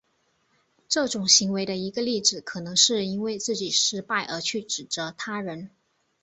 这种行为的一个例子可能是因为自己失败而去指责他人。